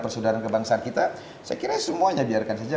persaudaraan kebangsaan kita saya kira semuanya biarkan saja